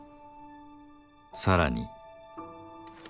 さらに。